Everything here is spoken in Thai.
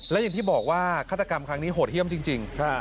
และอย่างที่บอกว่าฆาตกรรมครั้งนี้โหดเยี่ยมจริง